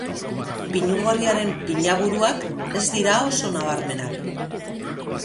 Pinu gorriaren pinaburuak ez dira oso nabarmenak.